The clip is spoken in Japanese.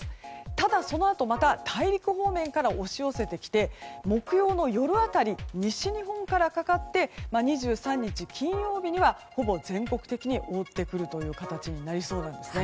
ただ、そのあとまた大陸方面から押し寄せてきて木曜の夜辺り西日本からかかって２３日金曜日には、ほぼ全国的に覆ってくる形になりそうです。